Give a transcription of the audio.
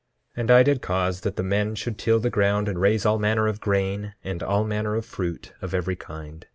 10:4 And I did cause that the men should till the ground, and raise all manner of grain and all manner of fruit of every kind.